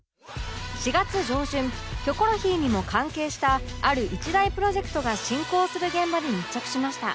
４月上旬『キョコロヒー』にも関係したある一大プロジェクトが進行する現場に密着しました